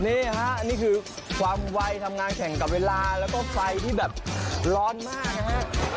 นี่ฮะนี่คือความไวทำงานแข่งกับเวลาแล้วก็ไฟที่แบบร้อนมากนะฮะ